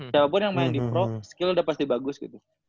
siapapun yang main di pro skill udah pasti bagus gitu